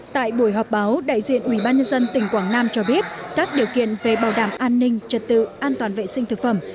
tại buổi họp báo đại diện ubnd tỉnh quảng nam cho biết các điều kiện về bảo đảm an ninh trật tự an toàn vệ sinh thực phẩm